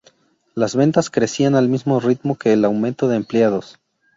Las ventas crecían al mismo ritmo que el aumento de empleados.